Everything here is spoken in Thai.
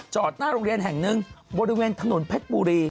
หน้าโรงเรียนแห่งหนึ่งบริเวณถนนเพชรบุรี